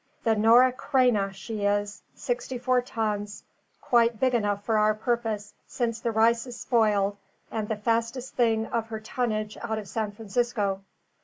The Nora Creina, she is, sixty four tons, quite big enough for our purpose since the rice is spoiled, and the fastest thing of her tonnage out of San Francisco.